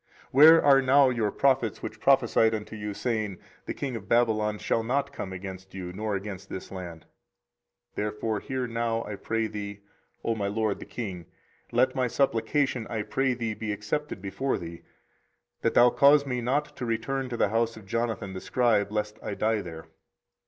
24:037:019 Where are now your prophets which prophesied unto you, saying, The king of Babylon shall not come against you, nor against this land? 24:037:020 Therefore hear now, I pray thee, O my lord the king: let my supplication, I pray thee, be accepted before thee; that thou cause me not to return to the house of Jonathan the scribe, lest I die there.